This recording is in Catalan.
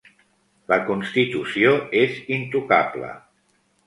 La Constitució és intocable.